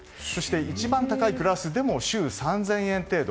一番高いクラスでも週３０００円程度。